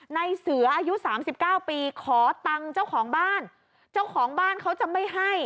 ในเสืออายุสามสิบเก้าปีขอตังค์เจ้าของบ้านเจ้าของบ้านเขาจะไม่ให้